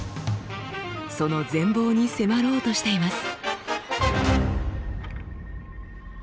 その全貌に迫ろうとしています。